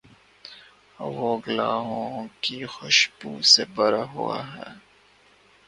وہ گلابوں کی خوشبو سے بھرا ہوا ہے۔